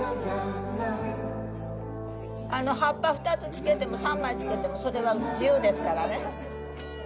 葉っぱ２つ付けても３枚付けてもそれは自由ですからね。